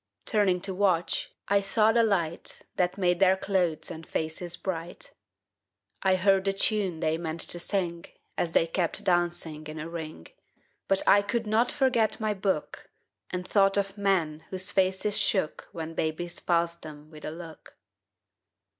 Turning to watch, I saw the light That made their clothes and faces bright. I heard the tune they meant to sing As they kept dancing in a ring; But I could not forget my book, And thought of men whose faces shook When babies passed them with a look.